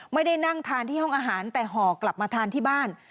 ไม่ได้นั่งทานที่ห้องอาหารแต่ห่อกลับมาทานที่บ้าน